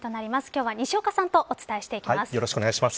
今日は西岡さんとお伝えしていきます。